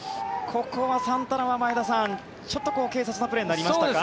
ここはサンタナは前田さん、ちょっと軽率なプレーになりましたか？